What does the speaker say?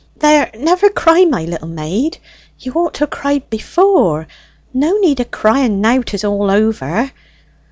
There, never cry, my little maid! You ought to ha' cried afore; no need o' crying now 'tis all over.